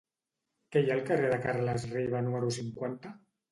Què hi ha al carrer de Carles Riba número cinquanta?